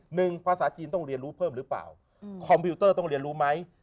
หนึ่งภาษาจีนต้องเรียนรู้เพิ่มหรือเปล่าคอมพิวเตอร์ต้องเรียนรู้ไหม